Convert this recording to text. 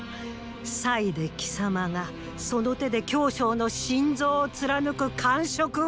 祭で貴様がその手で羌象の心臓を貫く感触を！